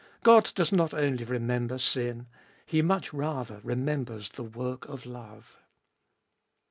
God does not only remember sin; He much rather remembers the work of love.